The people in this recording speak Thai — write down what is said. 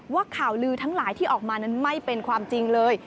ว่าข่าวลือทั้งหลายที่ออกมานั้นไม่เป็นความจริงเลย